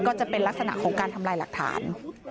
ก็จะเป็นลักษณะของการทำลายหลักฐาน